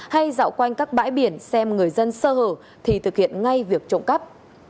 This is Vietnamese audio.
hay dạo quanh các bãi biển xem người dân sơ hở thì thực hiện ngay việc trộm cắp